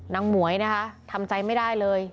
หมวยนะคะทำใจไม่ได้เลย